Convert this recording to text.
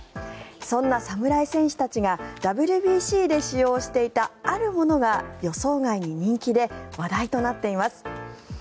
そんな侍選手たちがＷＢＣで使用していたあるものが予想外に人気で話題となっています。